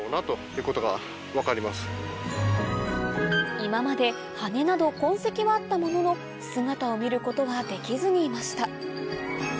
今まで羽根など痕跡はあったものの姿を見ることはできずにいました